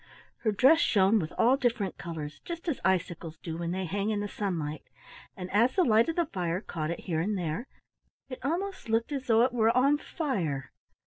Her dress shone with all different colors, just as icicles do when they hang in the sunlight, and as the light of the fire caught it here and there, it almost looked as though it were on fire.